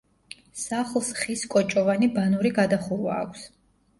სახლს ხის კოჭოვანი ბანური გადახურვა აქვს.